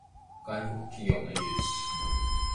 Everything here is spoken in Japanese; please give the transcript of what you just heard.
外国企業の誘致